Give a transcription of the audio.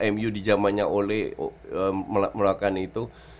mu di jamannya oleh melakukan itu